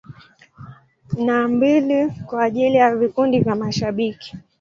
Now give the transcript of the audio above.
Na mbili kwa ajili ya vikundi vya mashabiki.